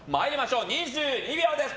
２２秒です。